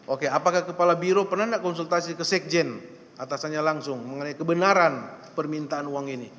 oke apakah kepala biro pernah tidak konsultasi ke sekjen atasannya langsung mengenai kebenaran permintaan uang ini